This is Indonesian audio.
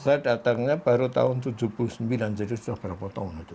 saya datangnya baru tahun seribu sembilan ratus tujuh puluh sembilan jadi sudah berapa tahun